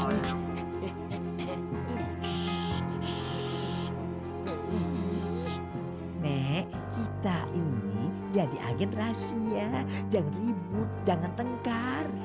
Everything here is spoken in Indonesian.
nenek kita ini jadi agen rahasia jangan ribut jangan tengkar